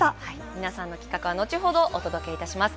三奈さんの企画は後ほどお届けします。